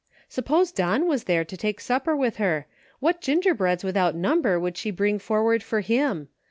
Suppose Don was there to take supper with her, what gingerbreads without number would she bring forward for him